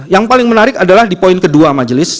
yang paling menarik adalah di poin kedua majelis